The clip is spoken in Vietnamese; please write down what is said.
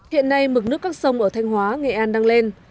hiện nay mực nước các sông ở thanh hóa nghệ an đang lên